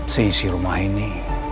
sisi rumah ini